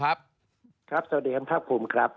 ครับเจ้าเดียนครับคุณครับ